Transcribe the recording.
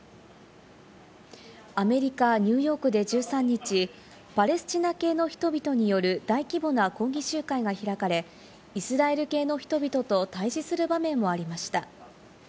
アメリカ・ニューヨークで１３日、パレスチナ系の人々による大規模な抗議集会が開かれ、イスラエル系の人々と対峙する場面もありました。